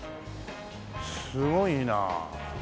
すごいなあ。